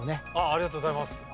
ありがとうございます。